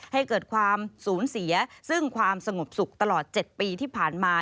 ให้เกิดความสูญเสียซึ่งความสงบสุขตลอด๗ปีที่ผ่านมา